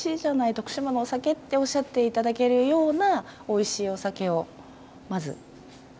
徳島のお酒っておっしゃって頂けるようなおいしいお酒をまず目指しつつもう一つは